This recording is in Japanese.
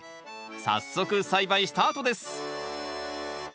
早速栽培スタートです！